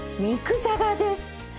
肉じゃがです。